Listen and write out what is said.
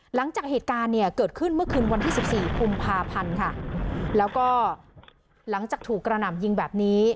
หลังจากเหตุการณ์เนี่ยเกิดขึ้นเมื่อคืนวันที่สิบสี่กุมภาพันธ์ค่ะแล้วก็หลังจากถูกกระหน่ำยิงแบบนี้